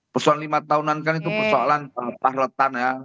persoalan lima tahunan kan itu persoalan pahrotan ya